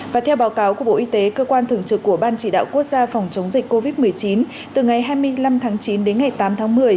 và theo báo cáo của bộ y tế cơ quan thường trực của ban chỉ đạo quốc gia phòng chống dịch covid một mươi chín từ ngày hai mươi năm tháng chín đến ngày tám tháng một mươi